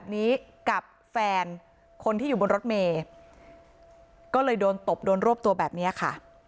นี้กับแฟนคนที่อยู่บนรถเมย์ก็เลยโดนตบโดนรวบตัวแบบนี้ค่ะ